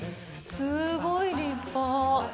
すごい立派。